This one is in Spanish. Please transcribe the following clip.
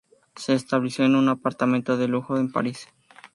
Se estableció en un apartamento de lujo en París.